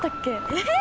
えっ？